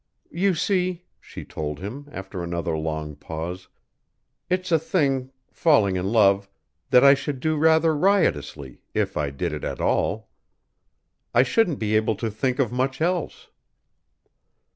"You see," she told him, after another long pause, "it's a thing falling in love that I should do rather riotously if I did it at all. I shouldn't be able to think of much else."